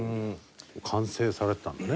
完成されてたんだね